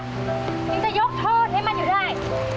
ฉันจะยกโทษให้มันอยู่ด้วย